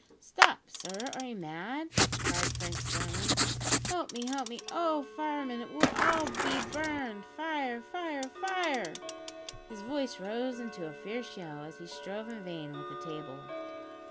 "Stop, sir, are you mad?" cried Frank sternly. "Help me! help me! Oh! fireman, it will be all burned. Fire! fire! fire!!!" His voice rose into a fierce yell, as he strove in vain with the table.